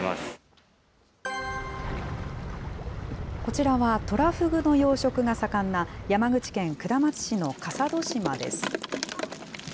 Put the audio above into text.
こちらはトラフグの養殖が盛んな山口県下松市の笠戸島です。